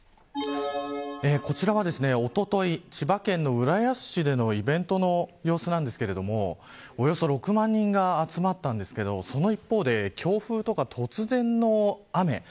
こちらは、おととい千葉県の浦安市でのイベントの様子なんですけれどもおよそ６万人が集まったんですけどその一方で強風とか突然の雨。